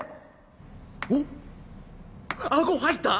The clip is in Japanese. おっ顎入った？